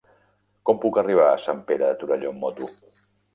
Com puc arribar a Sant Pere de Torelló amb moto?